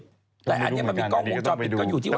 หลายอันนี้มันมีกล้องวงจอมปิดก็อยู่ที่ไหน